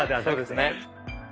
そうですね。